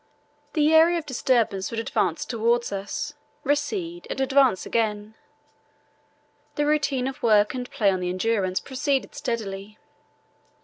The area of disturbance would advance towards us, recede, and advance again. The routine of work and play on the Endurance proceeded steadily.